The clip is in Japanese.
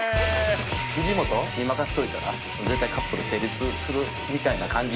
藤本に任せておいたら絶対カップル成立するみたいな感じ。